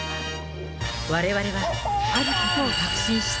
われわれは、あることを確信した。